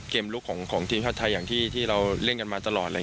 ลุกของทีมชาติไทยอย่างที่เราเล่นกันมาตลอดเลย